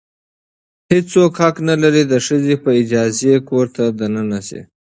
هیڅ څوک حق نه لري د ښځې په اجازې کور ته دننه شي.